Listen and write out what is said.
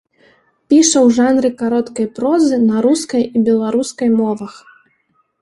Піша ў жанры кароткай прозы на рускай і беларускай мовах.